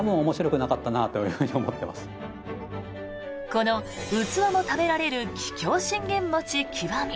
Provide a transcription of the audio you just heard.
この器も食べられる桔梗信玄餅極。